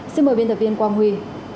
xin mời biên tập viên quang huy